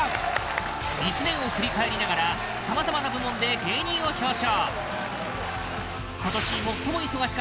１年を振り返りながら様々な部門で芸人を表彰